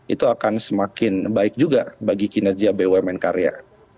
itu akan semakin baik juga bagi kinerja bumn karya